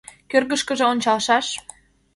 Кӧргышкыжӧ ончалшаш».